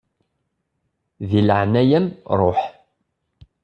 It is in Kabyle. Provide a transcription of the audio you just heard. Di leɛnaya-m ṛuḥ.